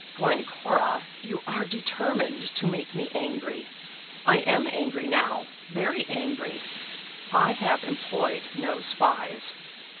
"Glencora, you are determined to make me angry. I am angry now, very angry. I have employed no spies.